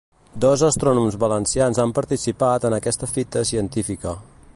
Dos astrònoms valencians han participat en aquesta fita científica.